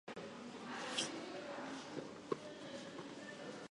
而海滩德军兵力为一个团。